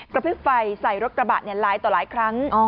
พริบไฟใส่รถกระบะหลายต่อหลายครั้ง